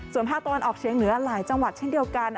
ส่วนภาคตะวันออกเชียงเหนือหลายจังหวัดเช่นเดียวกัน